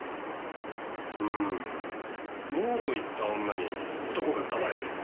うーん「ノー」と言った女に男が「黙れ」と言った。